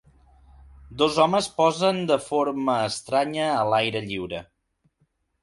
Dos homes posen de forma estranya a l'aire lliure.